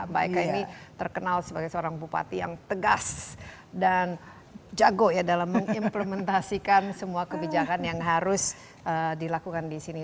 mbak eka ini terkenal sebagai seorang bupati yang tegas dan jago ya dalam mengimplementasikan semua kebijakan yang harus dilakukan di sini